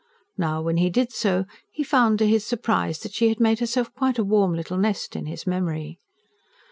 Now, when he did so, he found to his surprise that she had made herself quite a warm little nest in his memory.